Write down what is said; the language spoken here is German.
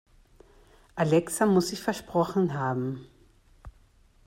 Alexa muss sich versprochen haben.